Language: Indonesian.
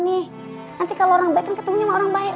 nanti kalau orang baik kan ketemunya sama orang baik